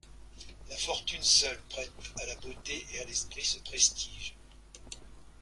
La fortune seule prête à la beauté et à l'esprit ce prestige.